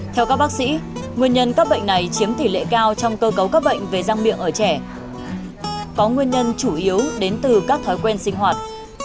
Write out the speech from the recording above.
theo các bác sĩ nguyên nhân các bệnh này chiếm tỷ lệ cao trong cơ cấu các bệnh về răng miệng ở trẻ có nguyên nhân chủ yếu đến từ các thói quen sinh hoạt